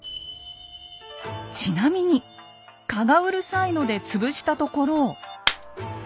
ちなみに蚊がうるさいので潰したところ。